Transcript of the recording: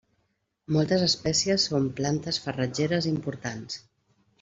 Moltes espècies són plantes farratgeres importants.